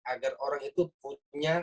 agar orang itu punya